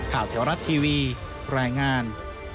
แถวรัฐทีวีรายงาน